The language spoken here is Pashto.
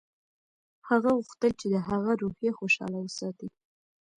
هغه غوښتل چې د هغه روحیه خوشحاله وساتي